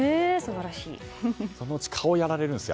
そのうち顔をやられるんですよ。